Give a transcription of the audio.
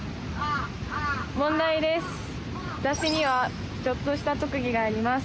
私にはちょっとした特技があります